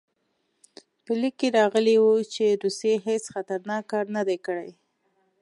په لیک کې راغلي وو چې روسیې هېڅ خطرناک کار نه دی کړی.